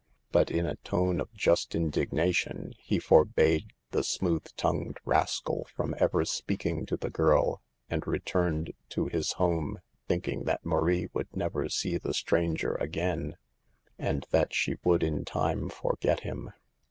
But in a tone of just indignation he forbade the smooth tongued rascal from ever speaking to the girl, and returned to his home, thinking that Marie would never see the stranger again and that she would in time forget him.